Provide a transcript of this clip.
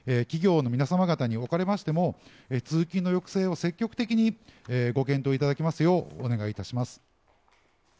企業の皆様方におかれましても、通勤の抑制を積極的にご検討いただきますようお願いいたします。